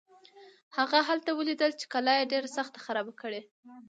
هغه هلته ولیدل چې قلا یې ډېره سخته خرابه کړې.